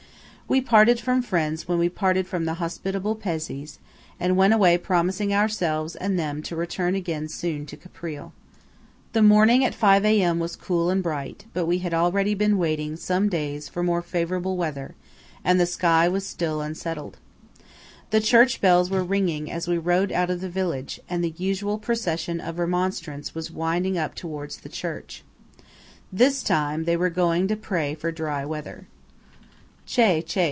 We parted from friends when we parted from the hospitable Pezzés, and went away promising ourselves and them to return again soon to Caprile. The morning at five A.M. was cool and bright; but we had already been waiting some days for more favourable weather, and the sky was still unsettled. The church bells were ringing as we rode out of the village, and the usual procession of remonstrance was winding up towards the church. This time, they were going to pray for dry weather. "Che! che!"